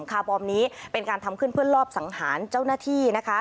คาร์บอมนี้เป็นการทำขึ้นเพื่อลอบสังหารเจ้าหน้าที่นะคะ